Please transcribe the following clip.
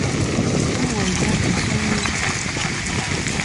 跟我一样的声音